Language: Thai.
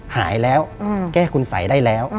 หายแล้วแก้คุณสัยได้แล้ว